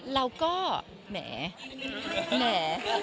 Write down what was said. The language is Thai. เอ่อเราก็แหมแหม